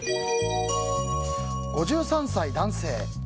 ５３歳男性。